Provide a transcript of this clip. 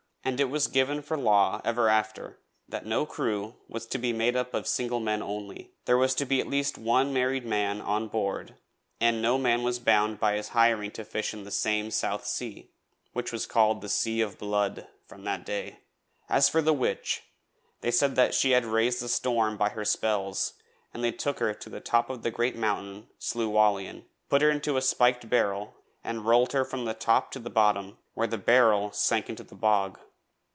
And it was given for law ever after that no crew was to be made up of single men only; there was to be at least one married man on board and no man was bound by his hiring to fish in this same south sea, which was called 'The Sea of Blood' from that day. As for the witch, they said she had raised the storm by her spells and they took her to the top of the great mountain Slieu Whallian, put her into a spiked barrel and rolled her from the top to the bottom, where the barrel sank into the bog.